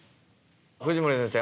藤森先生